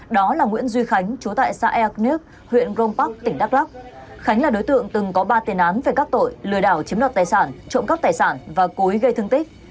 đó là nguyễn duy khánh chú tại xã eak niếc huyện rông bắc tỉnh đắk lắk khánh là đối tượng từng có ba tiền án về các tội lừa đảo chiếm đọt tài sản trộm cắp tài sản và cối gây thương tích